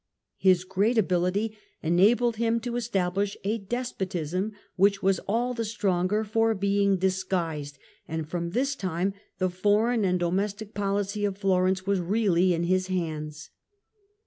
His great ability enabled him to establish a despotism, which was all the stronger for being disguised, and from this time the foreign and domestic policy of Florence was really in his hands.